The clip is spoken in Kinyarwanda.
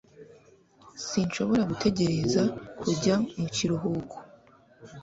sinshobora gutegereza kujya mu kiruhuko